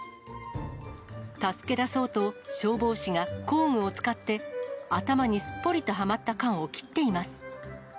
助け出そうと、消防士が工具を使って頭にすっぽりとはまった缶を切っています。